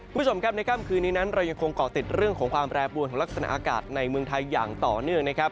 คุณผู้ชมครับในค่ำคืนนี้นั้นเรายังคงเกาะติดเรื่องของความแปรปวนของลักษณะอากาศในเมืองไทยอย่างต่อเนื่องนะครับ